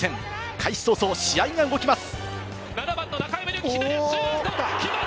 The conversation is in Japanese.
開始早々、試合が動きます。